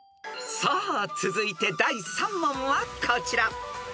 ［さあ続いて第３問はこちら］